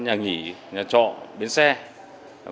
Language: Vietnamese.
những tình tiết này được xem là